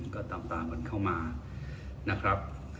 ก็ตามกันเข้ามานะครับ